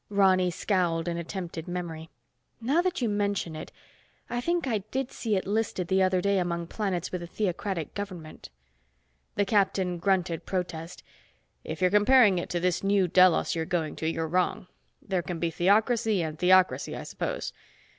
Ronny scowled in attempted memory. "Now that you mention it, I think I did see it listed the other day among planets with a theocratic government." The captain grunted protest. "If you're comparing it to this New Delos you're going to, you're wrong. There can be theocracy and theocracy, I suppose.